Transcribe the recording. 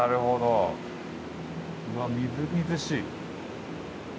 うわっみずみずしい。